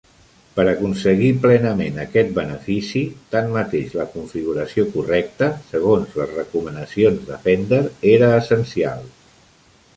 Per aconseguir plenament aquest benefici, tanmateix, la configuració correcta, segons les recomanacions de Fender, era essencial.